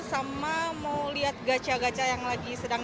sama mau lihat gaca gaca yang sedang diskon